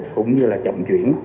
cũng như là chậm chuyển